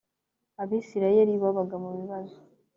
abisirayeli babaga mubibazo.